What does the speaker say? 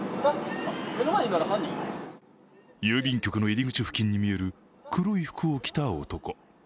郵便局の入り口付近に見える黒い服を着た男。